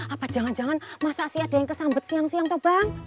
apa jangan jangan masa sih ada yang kesambet siang siang tuh bang